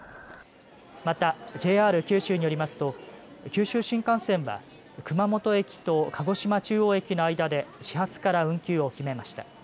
また、ＪＲ九州によりますと九州新幹線は熊本駅と鹿児島中央駅の間で始発から運休を決めました。